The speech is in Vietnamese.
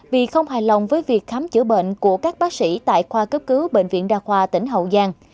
vì không hài lòng với việc khám chữa bệnh của các bác sĩ tại khoa cấp cứu bệnh viện đa khoa tỉnh hậu giang